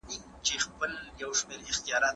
ایا ته پوهېږې چې فوکلور څه ته وايي؟